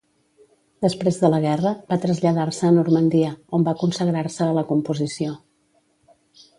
Després de la guerra, va traslladar-se a Normandia, on va consagrar-se a la composició.